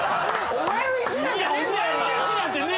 お前の意思なんてねえ。